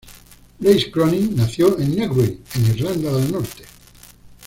Blaise Cronin nació en Newry en Irlanda del Norte.